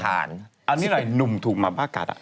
อันนี้อะไรนุ่มถูกมาบ้ากัด